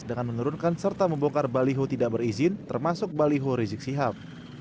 dengan menurunkan serta membongkar baliho tidak berizin termasuk baliho rizik sihab